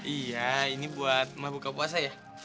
iya ini buat mah buka puasa ya